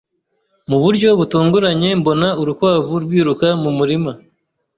Mu buryo butunguranye, mbona urukwavu rwiruka mu murima.